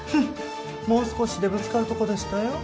もう少しでぶつかるところでしたよ。